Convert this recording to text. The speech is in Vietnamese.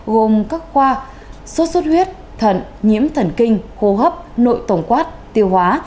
gồm các khoa sốt xuất huyết thận nhiễm thần kinh hô hấp nội tổng quát tiêu hóa